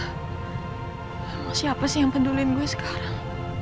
emang siapa sih yang peduliin gue sekarang